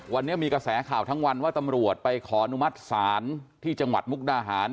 วันนี้มีกระแสข่าวทั้งวันว่าตำรวจไปขออนุมัติศาลที่จังหวัดมุกดาหาร